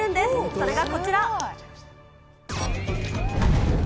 それがこちら。